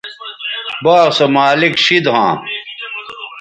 باغ سو مالک شید ھواں